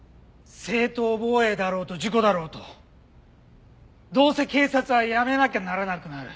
正当防衛だろうと事故だろうとどうせ警察は辞めなきゃならなくなる。